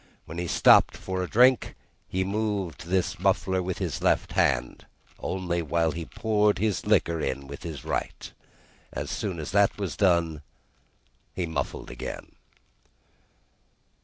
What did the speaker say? When he stopped for drink, he moved this muffler with his left hand, only while he poured his liquor in with his right; as soon as that was done, he muffled again.